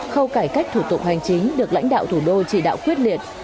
khâu cải cách thủ tục hành chính được lãnh đạo thủ đô chỉ đạo quyết liệt